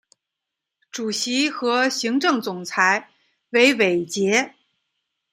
主席和行政总裁为韦杰。